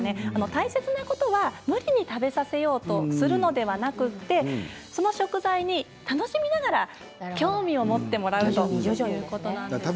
大切なことは無理に食べさせようとするのではなくてその食材に楽しみながら興味を持ってもらうということなんです。